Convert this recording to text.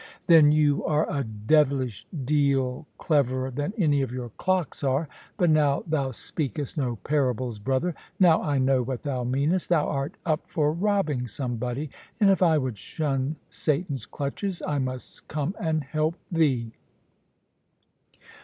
"Then you are a devilish deal cleverer than any of your clocks are. But now thou speakest no parables, brother. Now I know what thou meanest. Thou art up for robbing somebody; and if I would shun Satan's clutches, I must come and help thee."